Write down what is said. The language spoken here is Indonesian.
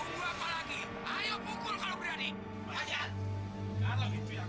tapi saya cuma bermaksud tolong beng